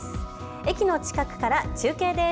駅の近くから中継です。